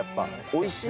おいしい？